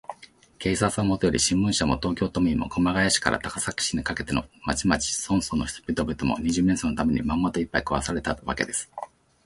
警察はもとより、新聞社も、東京都民も、熊谷市から高崎市にかけての町々村々の人々も、二十面相のために、まんまと、いっぱい食わされたわけです。